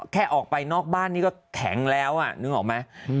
แค่ออกไปนอกบ้านนี่ก็แข็งแล้วนึกออกไหม